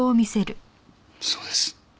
そうです。